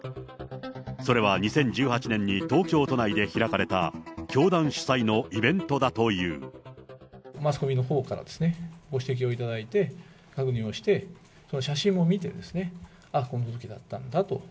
それは２０１８年に東京都内で開かれた教団主催のイベントだといマスコミのほうからご指摘をいただいて、確認をして、その写真も見て、あっ、このときだったんだと。